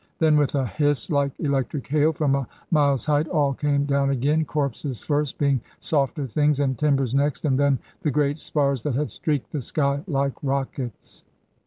Then with a hiss, like electric hail, from a mile's height, all came down again, corpses first (being softer things), and timbers next, and then the great spars that had streaked the sky like rockets.